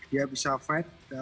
dia bisa fight